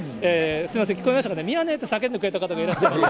すみません、聞こえましたかね、宮根と叫んでくださった方がいらっしゃいます。